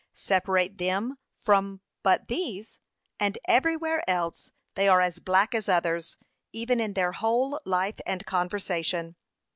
Separate them but from these, and every where else they are as black as others, even in their whole life and conversation.'